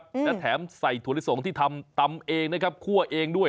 และแถมใส่ถั่วลิสงที่ทำตำเองนะครับคั่วเองด้วย